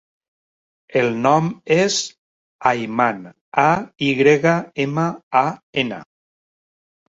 El nom és Ayman: a, i grega, ema, a, ena.